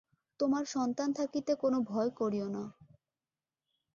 তোমার সন্তান থাকিতে কোন ভয় করিও না!